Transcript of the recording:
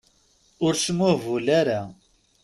Ur smuhbul ara.